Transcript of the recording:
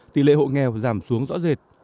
tỷ lệ hộ nghèo giảm xuống rõ rệt